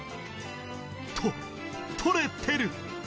「と取れてる！」